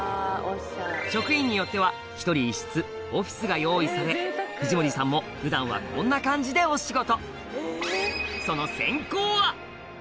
職員によってはが用意され藤森さんも普段はこんな感じでお仕事